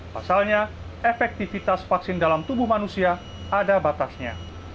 pasalnya efektivitas vaksin dalam tubuh manusia ada batasnya